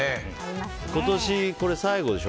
今年、これ最後でしょ。